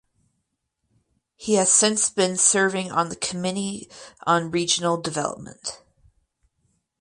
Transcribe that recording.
He has since been serving on the Committee on Regional Development.